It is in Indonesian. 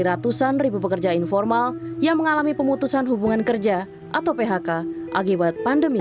ratusan ribu pekerja informal yang mengalami pemutusan hubungan kerja atau phk akibat pandemi